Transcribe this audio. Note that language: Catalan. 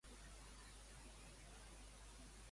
Quan Floovant és deportat, qui el salva de les dificultats?